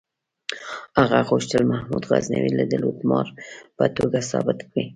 هغه غوښتل محمود غزنوي د لوټمار په توګه ثابت کړي.